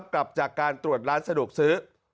กลับจากการตรวจร้านสะดวกซื้อ